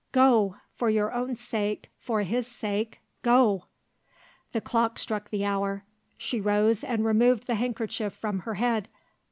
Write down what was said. Go! For your own sake, for his sake, go!" The clock struck the hour. She rose and removed the handkerchief from her head.